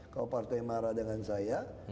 kalau partai marah dengan saya